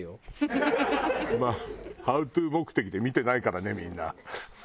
まあ「Ｈｏｗｔｏ」目的で見てないからねみんな。